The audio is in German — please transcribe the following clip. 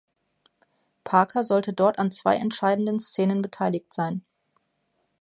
Parker sollte dort an zwei entscheidenden Szenen beteiligt sein.